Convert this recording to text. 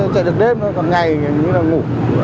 chạy được đêm thôi cả ngày như là ngủ